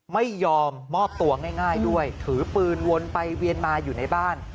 ไม่ยอมมอบตัวง่ายด้วยถือปืนวนไปเวียนมาอยู่ในบ้าน